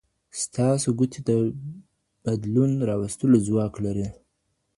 ستاسو ګوتې د بدلون راوستلو ځواک لري.